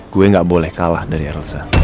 gue gak boleh kalah dari elsa